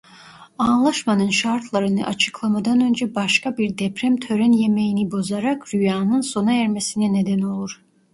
Anlaşmanın şartlarını açıklamadan önce başka bir deprem tören yemeğini bozarak rüyanın sona ermesine neden olur.